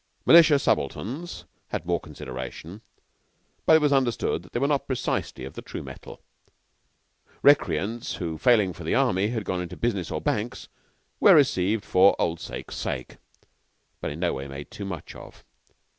Militia subalterns had more consideration, but it was understood they were not precisely of the true metal. Recreants who, failing for the Army, had gone into business or banks were received for old sake's sake, but in no way made too much of.